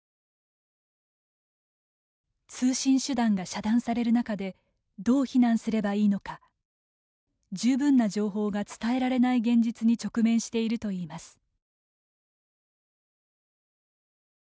通信手段が遮断される中でどう避難すればいいのか十分な情報が伝えられない現実に直面しているといいます。